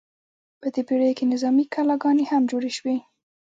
په دې پیړیو کې نظامي کلاګانې هم جوړې شوې.